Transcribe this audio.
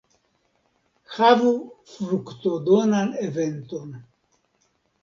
Havu fruktodonan eventon!